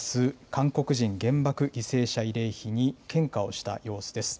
韓国人原爆犠牲者慰霊碑に献花をした様子です。